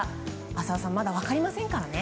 浅尾さんまだ分かりませんからね。